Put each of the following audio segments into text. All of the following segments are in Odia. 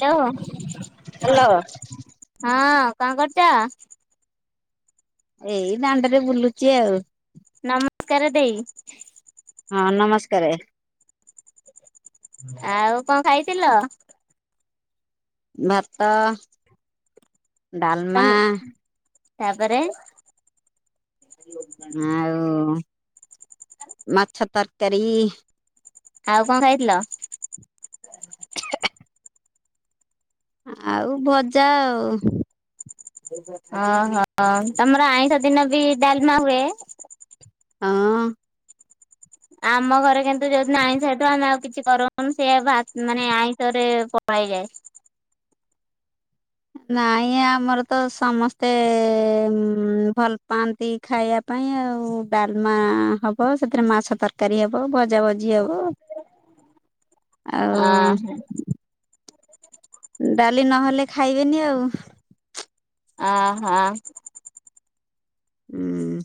ହ୍ୟାଲୋ ହଁ ହ୍ୟାଲୋ। କଣ କରୁଛ। ଏଇ ଦାଣ୍ଡରେ ବୁଲୁଚି ଆଉ। ନମସ୍କାର ଦେଇ ହଁ ନମସ୍କାର। ଆଉ କଣ ଖାଇଥିଲ? ଭାତ ତ ଡାଲମା ତାପରେ ଆଉ ମାଛ ତରକାରୀ। ଆଉ କଣ ଖାଇଥିଲ? ଆଉ ଭଜା ଆଉ ଓହୋ ତମର ଆଇଁଶ ଦିନ ବି ଡାଲମା ହୁଏ। ହଁ। ଆମ ଘରେ କିନ୍ତୁ ଯଦି ଆଇଁଷ ହେଇଥିବ ଆମେ ଆଉ କିଛି କରୁ କଣ ସେଇଆ ଭ ମାନେ ଆଇଁଷରେ ପଳେଇଯାଏ। ନାଇଁ ଆମର ତ ସମସ୍ତେ ଭଲ ପାଆନ୍ତି। ଖାଇବା ପାଇଁ ଆଉ ଡାଲମା ହବ ସେଥିରେ ମାଛ ତରକାରୀ ହବ ଭଜା ଭଜ। ଜି ହବ ଆଉ ଅହୋ ଡାଲି ନହେଲେ ଖାଇବେନି ଆଉ ହ ହଁ। ହୁଁ।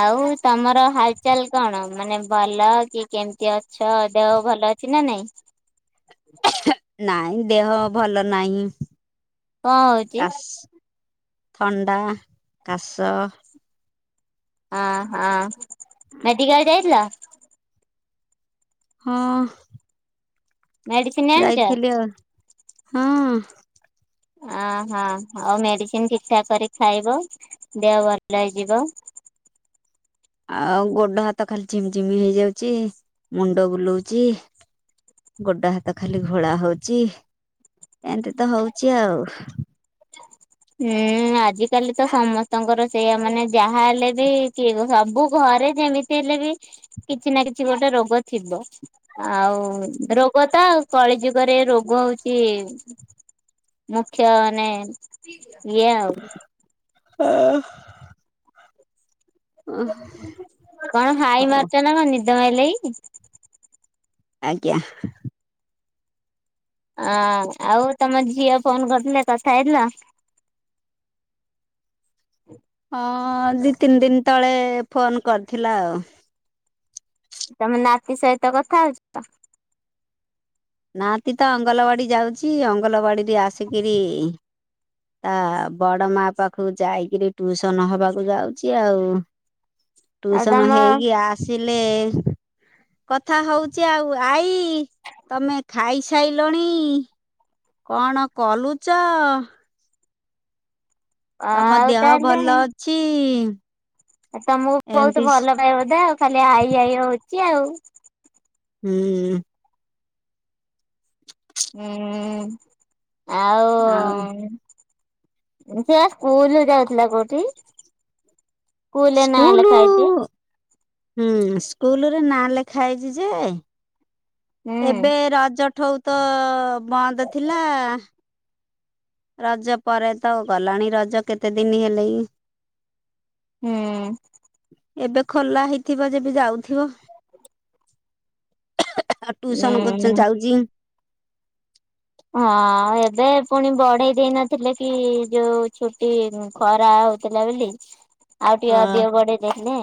ଆଉ ତମର ହାଲଚାଲ କଣ ମାନେ ଭଲ କି କେମିତି ଅଛ ଦେହ ଭଲ ଅ ଅଛି ନା ନାଇଁ? ନାଇଁ ଦେହ ଭଲ ନାହିଁ କଣ ହଉଛି କାଶ ଥଣ୍ଡା କାଶ। ଆହା ମେଡିକାଲ ଯାଇଥିଲ? ହଁ। ମେଡିସିନ ଆଣିଛ? ଯାଇଥିଲି ଆଉ ହଁ। ଅହୋ ଆଉ ମେଡିସିନ ଠିକ ଠାକ କରି ଖାଇବ ଦେହ ଭଲ ହେଇଯିବ। ଆଉ ଗୋଡ ହାତ ଖାଲି ଝିମ୍ ଝିମ ହେଇଯାଉଛି ମୁଣ୍ଡ ବୁଲଉଛି। ଗୋଡ ହାତ ଖାଲି ଘୋଳା ହଉଛି ଏମତି ତ ହଉଛି ଆଉ ହୁଁ ଆଜିକାଲି ତ ସମସ୍ତଙ୍କର ସେଇଆ ମାନେ ଯାହା ହେଲେ ବି କିଏ ସବୁ ଘରେ ଯେମିତି ହେଲେ ବି କିଛି ନା କିଛି ଗୋଟେ ରୋଗ ଥିବ ଆଉ ରୋଗ ତ କଳିଯୁଗରେ ରୋଗ ହଉଛି ମୁଖ୍ୟ ମାନେ ଏଇଆ ଆଉ ହଁ। ଅ କଣ ହାଇ ମାରୁଛ ନା ନିଦ ମାଇଲାଣି? ଆଜ୍ଞା। ଅଁ ଆଉ ତମ ଝିଅ ଫୋନ କରିଥିଲେ କଥା ହେଇଥିଲ? ହଁ ଦି ତିନି ଦିନ ତଳେ ଫୋନ କରିଥିଲା ଆଉ ତମେ ନାତି ସହିତ କଥା ହଉଛ ତ? ନାତି ତ ଅଙ୍ଗଲବାଡି ଯାଉଛି ଅଙ୍ଗଲବାଡ଼ିରୁ ଆସିକିରି। ତା ବଡ ମା ପାଖକୁ ଯାଇକିରି ଟ୍ୟୁସନ ହବାକୁ ଯାଉଛି ଆଉ। ହଁ ଟ୍ୟୁସନ ହେଇକି ଆସିଲେ। କଥା ହଉଚି ଆଉ ଆଇ ତମେ ଖାଇସାଇଲଣି? କଣ କଲୁଚ? ତମ ଆଉ ଦେହ ଭଲ ତାହେଲେ ଅଛି? ତମକୁ ବହୁତ୍ ଏମତି ଭଲ ପାଏ ବୋଧେ ଆଉ ଖାଲି ଆଈ ଆଈ ହଉଛି ଆଉ। ହୁଁ। ହୁଁ ଆଉ ସିଏ ସ୍କୁଲ୍ ଯାଉଥିଲା କୋଉଠି? ସ୍କୁଲରେ ନାଁ ସ୍କୁଲ୍ ଲେଖା ହେଇଛି ହୁଁ ସ୍କୁଲ୍ ରେ ନାଁ ଲେଖା ହେଇଛି ଯେ ହୁଁ ଏବେ ରଜ ଠୁ ତ ବନ୍ଦ ଥିଲା। ରଜ ପରେ ତ ଗଲାଣି ରଜ କେତେ ଦିନ ହେଲେ ହୁଁ। ଏବେ ଖୋଲା ହେଇଥିବ ଯେବେ ଯାଉଥିବ। ଟ୍ୟୁସନ୍ କରୁଛନ୍ତି ଉଁ। ଯାଉଚି। ହଁ ଏବେ ପୁଣି ବଢ଼େଇ ଦେଇ ନଥିଲେ କି ଯୋଉ ଛୁଟି ଖରା ହଉ ଥିଲା ବୋଲି ଆଉ ଟିକେ ଅଧିକ ବଢ଼େଇ ଦେଲେ।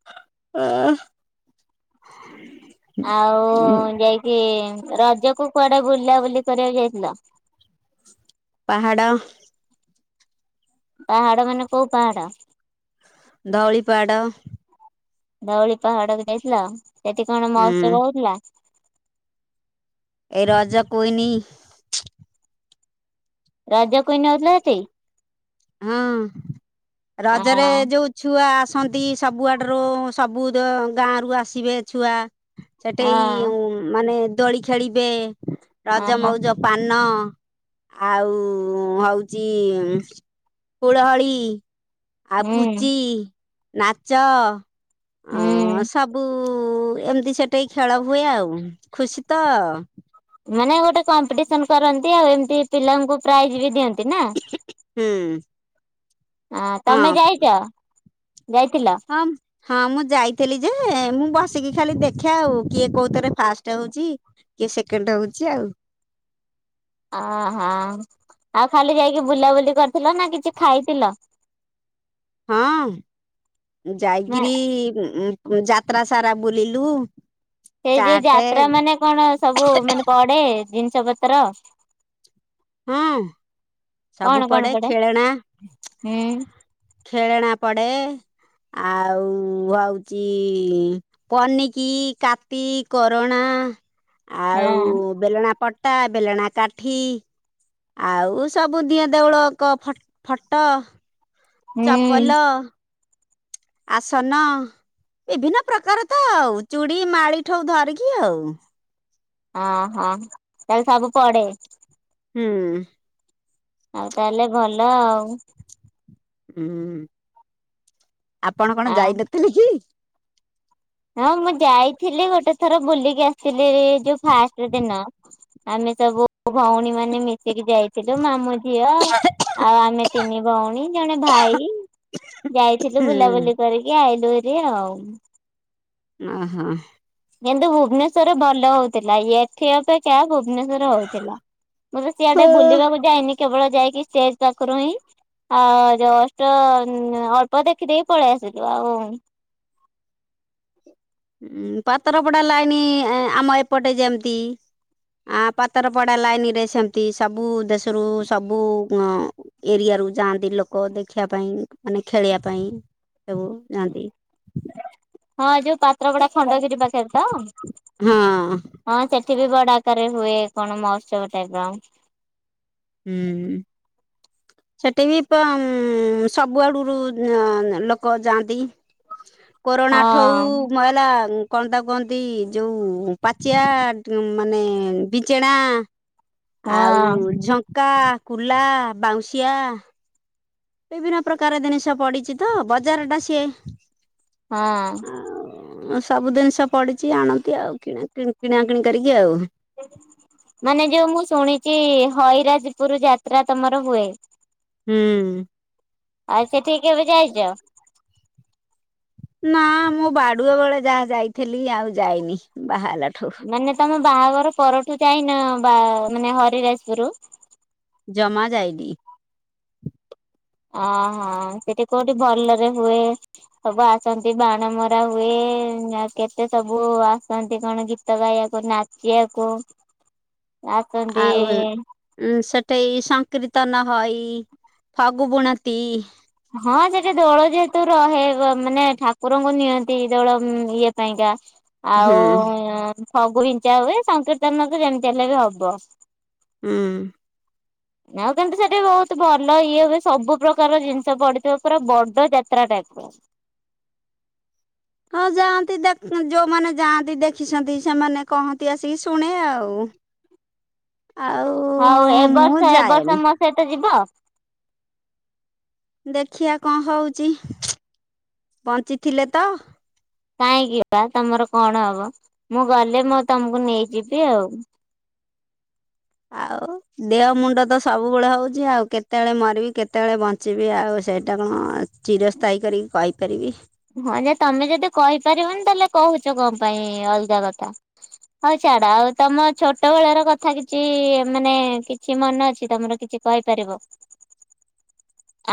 [unintelligible] ଆଉ ଯାଇକି ରଜକୁ କୁଆଡ଼େ ବୁଲା ବୁଲି କରିବାକୁ ଯାଇଥିଲ! ପାହାଡ଼। ପାହାଡ଼ ମାନେ କୋଉ ପାହାଡ଼? ଧଉଳି ପାହାଡ଼। ଧଉଳି ପାହାଡ଼ କୁ ଯାଇଥିଲ ସେଠି କଣ ହୁଁ ମହୋତ୍ସବ ହଉଥିଲା? ଏଇ ରଜ କ୍ୟୁଇନ୍। ରଜ କୁଇନ୍ ହଉଥିଲା ସେଠି? ହୁଁ ରଜରେ ଆଁ ଯୋଉ ଛୁଆ ଆସନ୍ତି ସବୁଆଡ଼ରୁ ସବୁ ଗାଁ ରୁ ଆସିବେ ଛୁଆ। ସେଠେଇ ହଁ ମାନେ ଦୋଳି ଖେଳିବେ ରଜ ହଁ ମଉଜ ପାନ ଆଉ ହଉଚି ହୁଳହୁଳି ଆଉ ହୁଁ ପୁଚି, ନାଚ ହୁଁ ଅ ସବୁ ଏମିତି ସେଠିକି ଖେଳ ହୁଏ ଆଉ ଖୁସି ତ। ମାନେ ଗୋଟେ କମ୍ପିଟିସନ୍ କରନ୍ତି ଆଉ ଏମିତି ପିଲାଙ୍କୁ ପ୍ରାଇଜି ବି ଦିଅନ୍ତି। ହୁଁ। ଆଁ ହଁ ତମେ ଯାଇଛ ଯାଇଥିଲ? [unintelligible] ହଁ ମୁଁ ଯାଇଥିଲି ଯେ ମୁଁ ବସିକି ଖାଲି ଦେଖେ ଆଉ କିଏ କୋଉଥିରେ ଫାଷ୍ଟ୍ ହଉଛି। କିଏ ସେକେଣ୍ଡ୍ ହଉଛି ଆଉ। ଓ ହୋ ଆଉ ଖାଲି ଯାଇକି ବୁଲାବୁଲି କରିଥିଲ ନା କିଛି ଖାଇଥିଲ? ହଁ ନା ଯାଇକିରି ଯା ଯାତ୍ରା ସାରା ବୁଲିଲୁ। ସେଇ ଯୋଉ ଚାଟେ ଯାତ୍ରା ମାନେ କଣ ସବୁ ମାନେ ପଡ଼େ ଜିନିଷ ପତ୍ର। ହଁ ସବୁ କଣ କଣ ପଡ଼େ ପଡେ ଖେଳେଣା। ହୁଁ ଖେଳେଣା ପଡ଼େ ଆଉ ହଉଚି ପନିକି, କାତି, କରୋଣା। ଆଉ ହଁ ବେଲଣା ପଟା, ବେଲଣା କାଠି। ଆଉ ସବୁ ଦିଅଁ ଦେଉଳ ଙ୍କ ଫଟୋ, ହୁଁ ଚପଲ। ଆସନ ବିଭିନ୍ନ ପ୍ରକାର ତ ଆଉ ଚୁଡ଼ି, ମାଳି ଠୁ ଧରିକି ଆଉ। ଓ ହୋ ତାହେଲେ ସବୁ ପଡ଼େ। ହୁଁ। ଆଉ ତାହେଲେ ଭଲ ଆଉ। ହୁଁ ଆପଣ କଣ ଆ ଯାଇନଥିଲେ କି? ହଁ ମୁଁ ଯାଇଥିଲି ଗୋଟେ ଥର ବୁଲିକି ଆସିଥିଲି ଯୋଉ ଫାଷ୍ଟ ଦିନ। ଆମେ ସବୁ ଭଉଣୀ ମାନେ ମିଶିକି ଯାଇଥିଲୁ ମାମୁଁ ଝିଅ ଆଉ ଆମେ ତିନି ଭଉଣୀ ଜଣେ ଭାଇ। ଯାଇଥିଲୁ ହୁଁ ବୁଲାବୁଲି କରିକି ଆଇଲୁ ହେରି ଆଉ। ଓହୋ। କିନ୍ତୁ ଭୁବନେଶ୍ଵର ରେ ଭଲ ହଉଥିଲା। ଇଏ ଏଠି ଅପେକ୍ଷା ଭୁବନେଶ୍ଵର ହଉଥିଲା। ମୁଁ ତ ସିଆଡ଼େ ଉଁ ବୁଲିବାକୁ ଯାଇନି। କେବଳ ଯାଇକି ଷ୍ଟେଜ ପାଖରୁ ହିଁ ଆଉ ଜଷ୍ଟ ଅଳ୍ପ ଦେଖିଦେଇକି ପଳେଇ ଆସିଲୁ। ଆଉ ଉଁ ପାତରପଡ଼ା ଲାଇନ ଆମ ଏପଟେ ଯେମତି। ଆଁ ପାତର ପଡ଼ୀ ଲାଇନ ରେ ସେମିତି ସବୁ ଦେଶରୁ ସବୁ ଏରିଆ ରୁ ଯାଆନ୍ତି ଲୋକ ଦେଖିବା ପାଇଁ ମାନେ ଖେଳିବା ପାଇଁ ସବୁ ଯାଆନ୍ତି। ହଁ ଯୋଉ ପାତ୍ରପଡ଼ା ଖଣ୍ଡଗିରି ପାଖରେ ତ? ହଁ ହଁ ସେଠି ବି ବଡ଼ ଆକାରରେ ହୁଏ କଣ ମହୋତ୍ସବ ଟାଇପ୍ ର। ହୁଁ ହୁଁ। ସେଠି ବି ସବୁ ଆଡ଼ୁରୁ ଲୋକ ଯାଆନ୍ତି। [inaudible] କୋରଣା ଠଉ ହଁ କଣ ତାକୁ କୁହନ୍ତି? ଯୋଉ ପାଚିଆ ମାନେ ବିଞ୍ଚେଣା। ଆଉ ଝଙ୍କା କୁଲା ବାଉଁଶିଆ। ବିଭିନ୍ନ ପ୍ରକାର ଜିନିଷ ପଡି଼ଛି ତ ବଜାର ଟା ସିଏ। ହଁ। ସବୁ ଜିନିଷ ପଡି଼ଛି ଆଣନ୍ତି ଆଉ କିଣା କିିଣି କରିକି ଆଉ। ମାନେ ଯୋଉ ମୁଁ ଶୁଣିଛି ହଇରାଜପୁର ଯାତ୍ରା ତମର ହୁଏ। ହୁଁ। ଆଉ ସେଠିକି କେବେ ଯାଇଛ? ନା ମୁଁ ବାଡୁ଼ଆ ବେଳେ ଯାହା ଯାଇଥିଲି ଆଉ ଯାଇନି ବାହା ହେଲାଠୁ। ମାନେ ତମେ ବାହାଘର ପରଠୁ ଯାଇନ ବା ମାନେ ହରିରାଜପୁର। ଜମା ଯାଇନି। ଓହୋ ସେଠି କୋଉଠି ଭଲରେ ହୁଏ? ସବୁ ଆସନ୍ତି ବାଣ ମରା ହୁଏ କେତେ ସବୁ ଆସନ୍ତି କଣ ଗୀ ଗୀତ ଗାଇବାକୁ, ନାଚିବାକୁ ଆସନ୍ତି। ଉଁ ସେଠେଇ ସଂକୀର୍ତ୍ତନ ହଇ ଫଗୁ ବୁଣତି। ହଁ ସେଠି ଦୋଳ ଯେହେତୁ ରହେ ମାନେ ଠାକୁରଙ୍କୁ ନିଅନ୍ତି ଦୋଳ ଇଏ ପାଇଁକା। ହୁଁ ଆଉ ଫଗୁ ବିଞ୍ଚା ହୁଏ ସଂକୀର୍ତ୍ତନ ତ ଯେମିତି ହେଲେ ବି ହବ। ହୁଁ। ଆଉ କିନ୍ତୁ ସେଠି ବହୁତ ଭଲ ଇଏ ବି ସବୁ ପ୍ରକାରର ଜିନିଷ ପଡି଼ଥିବ ପୁରା ବଡ ଯାତ୍ରା ଟା। ହ। ହଁ ଯାଆନ୍ତି ଦେଖ ଯୋଉମାନେ ଯାଆନ୍ତି ଦେଖିଛନ୍ତି ସେମାନେ କହନ୍ତି ଆସିକି ଶୁଣେ ଆଉ। [inaudible] ଆଉ ହଉ ଏବ ମୁଁ ବର୍ଷ ଏବ ବର୍ଷ ଯାଏନି ମୋ ସହିତ ଯିବ? ଦେଖିବା କଣ ହଉଚି? ବଞ୍ଚିଥିଲେ ତ। କାହିଁକି ବା ତମର କଣ ହବ? ମୁଁ ଗଲେ ମୁଁ ତମକୁ ନେଇଯିବି ଆଉ। ଆଉ ଦେହ ମୁଣ୍ଡ ତ ସବୁବେଳେ ହଉଛି ଆଉ କେତେବେଳେ ମରିବି କେତେବେଳେ ବ ଞ୍ଚିବି ଆଉ ସେଇଟା କଣ ଚିରସ୍ଥାୟୀ କରିକି କହିପାରିବି। ହଁ ଯେ ତମେ ଯଦି କହିପାରିବନି ତାହେଲେ କହୁଛ କଣପାଇଁ ଅଲଗା କଥା। ହଉ ଛାଡ ଆଉ ତମ ଛୋଟବେଳର କଥା କିଛି ମାନେ କିଛି ମନେ ଅଛି ତମର କିଛି? କହିପାରିବ?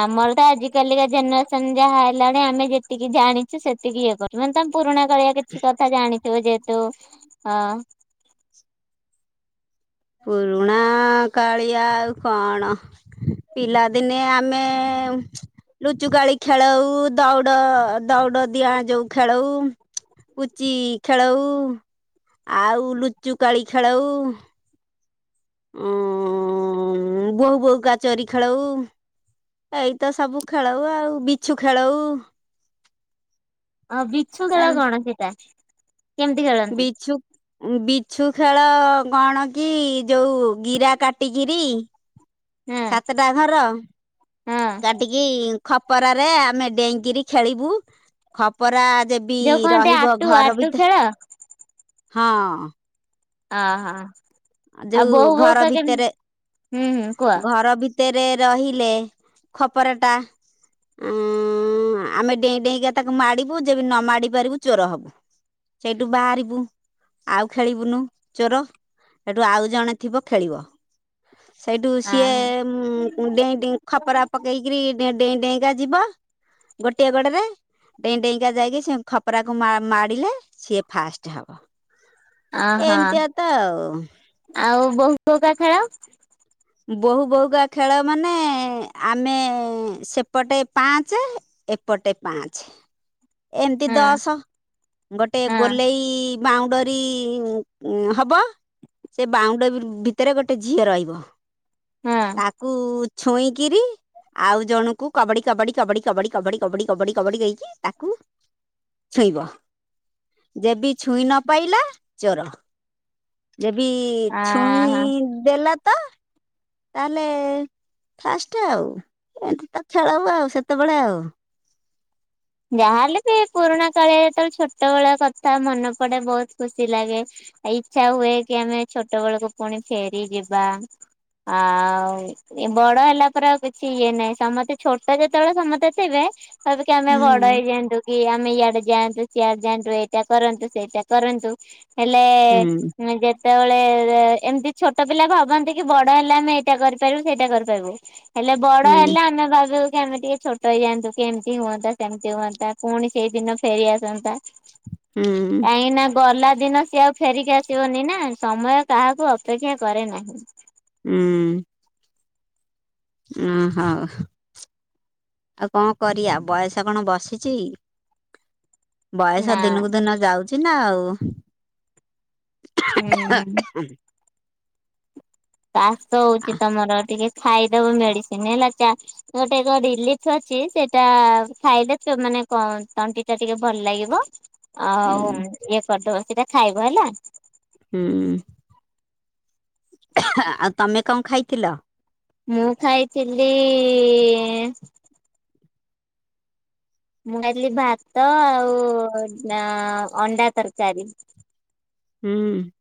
ଆମର ତ ଆଜିକାଲିକା ଜେନେରେସନ ଯାହା ହେଲାଣି ଆମେ ଯେ ତିିକି ଜାଣିଛୁ ସେତିକି ଇଏ କରୁ ମାନେ ତମେ ପୁରୁଣା କାଳିଆ କିଛି କଥା ଜାଣି ଥିବ ଯେହେତୁ ଅଁ। ପୁରୁଣା କାଳିଆ ଆଉ କଣ। ପିଲାଦିନେ ଆମେ। ଲୁଚୁକାଳି ଖେଳଉ ଦୌଡ ଦୌଡଡିଆଁ ଯୋଉ ଖେଳଉ। ପୁଚି ଖେଳଉ ଆଉ ଲୁଚୁକାଳି ଖେଳଉ। ଉଁ ବୋହୂବୋହୂକା ଚୋରି ଖେଳଉ। ଏଇତ ସବୁ ଖେଳଉ ଆଉ ବିଛୁ ଖେଳଉ। ଅଁ ବିଛୁ ଖେଳ କଣ ସେଇଟା? ବିଛୁ। ଅଁ ବିଛୁଖେଳ କଣ କି ଯୋଉ ଗିରା କାଟିକିରି। ହଁ ସାତଟା ଘର ହଁ କାଟିକି। ଖପରାରେ ଆମେ ଡେଇଙ୍କିରି ଖେଳିବୁ ଖପରା ଯେ ବି ଯୋଉ କହନ୍ତି ରହିବ ଆଟୁ ଘର ଆଟୁ ବିତେ। ଖେଳ ହଁ। ଅହ ଆଉ ଯୋଉ ବୋହୁ ଘର ବୋହୁକା କେନ ଭିତରେ ହୁଁ ହୁଁ କୁହ। ତେରେ ରହିଲେ ଖପରାଟା। ଉ ଆମେ ଡେଇଁ ଡେଇଁକା ତାକୁ ମାଡିବୁ ଯେ ବି ନମାଡି ପାରିବୁ ଚୋର ହବୁ। ସେଇଠୁ ବାହାରିବୁ ଆଉ ଖେଳିବୁନୁ ଚୋର। ହେଠୁ ଆଉଜଣେ ଥିବ ଖେଳିବ। ସେଇଠୁ ସିଏ ଅହ ଉମ୍ ଡେଇଁ ଡେଇଁ ଖପରା ପକେଇ। କିରି ଡେଇଁ ଡେଇଁକା ଯିବ ଗୋଟିଏ ଗୋଡରେ। ଡେଇଁ ଡେଇଁକା ଯାଇକି ସେ ଖପରାକୁ ମା ମାଡ଼ିଲେ ସିଏ ଫାଷ୍ଟ ହବ। ଅହ ଏମିତିଆ ତ ଆଉ ବୋହୁ ବୋହୁକା ଖେଳ? ବୋହୁ ବୋହୁକା ଖେଳ ମାନେ ଆମେ ସେପଟେ ପାଞ୍ଚେ। ଏପଟେ ପାଞ୍ଚେ ଏମତି ହଁ ଦଶ ଗୋଟେ ହଁ ଗୋଲେଇ। ବାଉଣ୍ଡରୀ ହବ ସେ ବାଉଣ୍ଡରୀ ଭିତେରେ ଗୋଟେ ଝିଅ ରହିବ। ହଁ ତାକୁ ଛୁଇଁକିରି। ଆଉ ଜଣୁକୁ କବାଡି କବାଡି କବାଡି କବାଡି କବାଡି କବାଡି କବାଡି କବାଡି ହେଇକି ତାକୁ। ଛୁଇଁବ ଯେବି ଛୁଇଁ ନପାଇଲା ଚୋର। ଯେବି ଅହ ଛୁଇଁ ଦେଲା। ତ ତାହେଲେ ଫାଷ୍ଟେ ଆଉ ଏନ୍ତି ତ ଖେଳହୁଏ ଆଉ ସେତେବେଳେ ଆଉ। ଯାହାହେଲେ ବି ପୁରୁଣା କାଳେ ତ ଛୋଟବେଳ କଥା ମନେପଡେ ବହୁତ ଖୁସି ଲାଗେ। ଇଚ୍ଛା ହୁଏ କି ଆମେ ଛୋଟବେଳକୁ ପୁଣି ଫେରିଯିବା ଆଉ। ବଡ ହେଲା ପରେ ଆଉ କିଛି ଇଏ ନାହିଁ ସମସ୍ତେ ଛୋଟ ଯେତେବେଳେ ସମସ୍ତେ ଥିବେ କହିବେ କି ଆମେ ହୁଁ ବ ଯାଆନ୍ତୁ କି ଆମେ ଇଆଡେ ଯାଆନ୍ତୁ ସିଆଡେ ଯାଆନ୍ତୁ ଏଇଟା କରନ୍ତୁ ସେଇଟା କରନ୍ତୁ। ହେଲେ ହୁଁ ମୁଁ ଯେ ତେବେଳେ ଯେ ଏମତି ଛୋଟପିଲା ଭାବନ୍ତିକି ବଡହେଲେ ଆମେ ଏଟା କରିପାରିବୁ ସେଇଟା କରିପାରିବୁ। ହେଲେ ହୁଁ ବଡହେଲେ ଆମେ ଭାବୁଚୁ କି ଆମେ ଟିକେ ଛୋଟ ହେଇଯାଆନ୍ତୁକି ଏମିତି ହୁଅନ୍ତା। ସେମତି ହୁଅନ୍ତା, ପୁଣି ସେଇଦିନ ଫେରିଆସନ୍ତା। ହୁଁ। କାହିଁକି ନା ଗଲା ଦିନ ସିଏ ଆଉ ଫେରିକି ଆସିବନି ନା, ସମୟ କାହାକୁ ଅପେକ୍ଷା କରେ ନାହିଁ। ହୁଁ। ହୁଁ ହଉ। ଆଉ କଣ କରିଆ, ବୟସ କଣ ବସିଛି? ବୟସ ନା ଦିନକୁ ଦିନ ଯାଉଛି ନା ଆଉ। ହୁଁ। [inaudible] କାସ୍ ତ ହଉଛି ତମର ଟିକେ ଖାଇଦବ ମେଡିସିନ ହେଲା, ଚା ଗୋଟେ ଏକ ରିଲିଫ ଅଛି ସେଇଟା ଖାଇଲେ ସେ ମାନେ କଣ ତଣ୍ଟି ଟା ଟିକେ ଭଲ ଲାଗିବ, ହୁଁ ଆଉ ଇଏ କରଦବ ସେଇଟା ଖାଇବ ହେଲା। ହୁଁ। ଆଉ ତମେ କଣ ଖାଇଥିଲ? ମୁଁ ଖାଇଥିଲି ମୁଁ ଖାଇଥିଲି ଭାତ ଆଉ ଅ ଅଣ୍ଡା ତରକାରୀ। ହୁଁ।